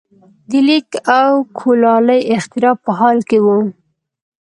د لیک او کولالۍ اختراع په حال کې وو.